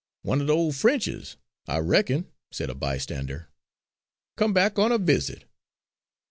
"One of the old Frenches," I reckon, said a bystander, "come back on a visit."